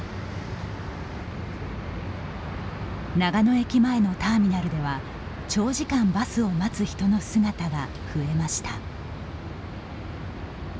長野駅前のターミナルでは長時間バスを待つ人の姿が増えました。